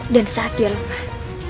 dan saat dia lemah